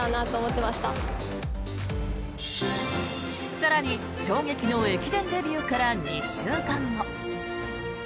更に衝撃の駅伝デビューから２週間後。